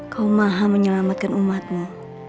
kau maha menyelamatkan umatmu